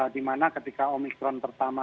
dimana ketika omikron pertama